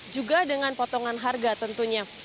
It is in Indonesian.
juga dengan potongan harga tentunya